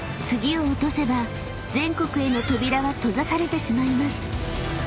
［次を落とせば全国への扉は閉ざされてしまいます］